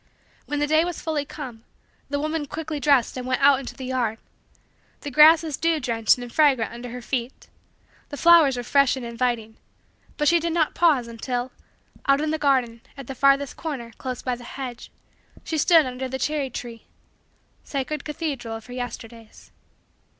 When the day was fully come, the woman quickly dressed and went out into the yard. The grass was dew drenched and fragrant under her feet. The flowers were fresh and inviting. But she did not pause until, out in the garden, at the farther corner, close by the hedge, she stood under the cherry tree sacred cathedral of her Yesterdays.